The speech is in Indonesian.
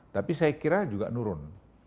tapi saya kira juga menurun